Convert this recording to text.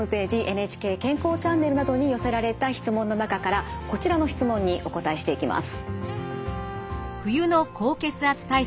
「ＮＨＫ健康チャンネル」などに寄せられた質問の中からこちらの質問にお答えしていきます。